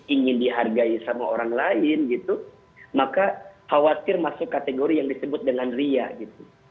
ingin dihargai sama orang lain gitu maka khawatir masuk kategori yang disebut dengan ria gitu